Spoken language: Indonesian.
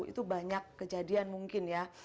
itu banyak kejadian mungkin ya